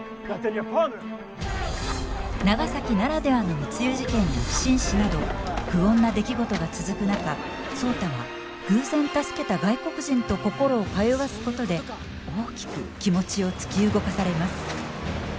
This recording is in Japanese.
長崎ならではの密輸事件や不審死など不穏な出来事が続く中壮多は偶然助けた外国人と心を通わすことで大きく気持ちを突き動かされます。